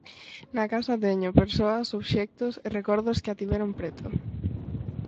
Na casa teño persoas, obxectos e recordos que a tiveron preto.